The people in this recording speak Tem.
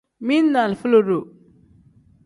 Mili ni alifa lodo.